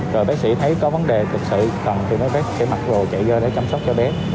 rồi bác sĩ thấy có vấn đề thực sự còn thì mới bác sĩ mặc rồ chạy vô để chăm sóc cho bé